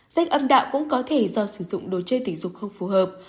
rách âm đạo cũng có thể do sử dụng đồ chơi tình dục không phù hợp